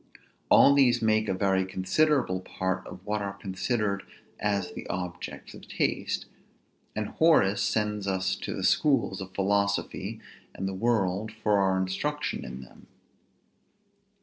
All these make a very considerable part of what are considered as the objects of taste; and Horace sends us to the schools of philosophy and the world for our instruction in them.